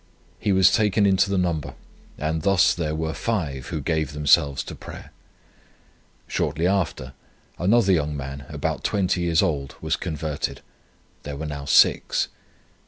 He was taken into the number, and thus there were five who gave themselves to prayer. Shortly after, another young man, about 20 years old, was converted; there were now six.